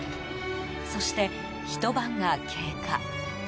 そして、ひと晩が経過。